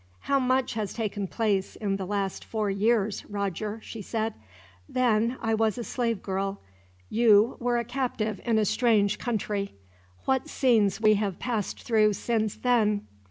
"How much has taken place, in the last four years, Roger!" she said. "Then, I was a slave girl. You were a captive in a strange country. What scenes we have passed through since then!